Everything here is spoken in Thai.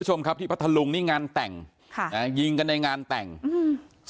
คุณผู้ชมครับที่พัทธลุงนี่งานแต่งค่ะอ่ายิงกันในงานแต่งอืม